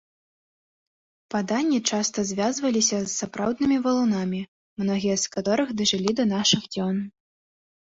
Паданні часта звязваліся з сапраўднымі валунамі, многія з каторых дажылі да нашых дзён.